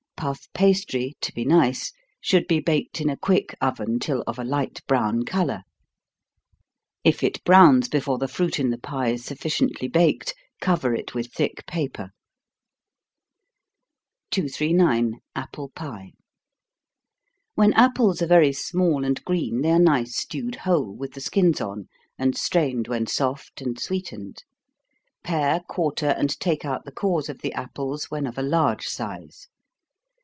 Puff pastry, to be nice, should be baked in a quick oven till of a light brown color. If it browns before the fruit in the pie is sufficiently baked, cover it with thick paper. 239. Apple Pie. When apples are very small and green, they are nice stewed whole, with the skins on, and strained when soft, and sweetened. Pare, quarter, and take out the cores of the apples, when of a large size.